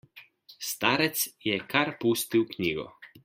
Starec je kar pustil knjigo.